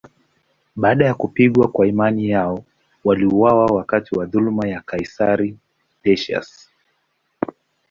Baada ya kupigwa kwa imani yao, waliuawa wakati wa dhuluma ya kaisari Decius.